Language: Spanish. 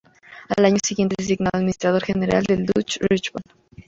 Al año siguiente, es designado administrador general del "Deutsche Reichsbahn".